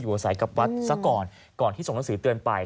อาศัยกับวัดซะก่อนก่อนที่ส่งหนังสือเตือนไป